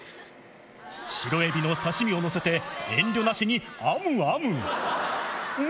白エビの刺身を載せて、遠慮なしにあむあむ。